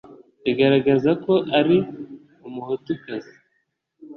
igaragaza ko ari umuhutukazi